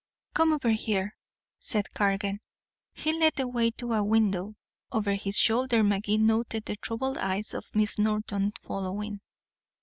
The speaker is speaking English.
"Come over here," said Cargan. He led the way to a window. Over his shoulder Magee noted the troubled eyes of Miss Norton following.